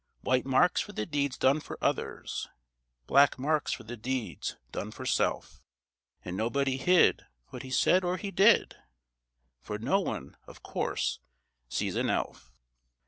White marks for the deeds done for others Black marks for the deeds done for self. And nobody hid what he said or he did, For no one, of course, sees an elf.